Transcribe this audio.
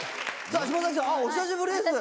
島崎さんお久しぶりです。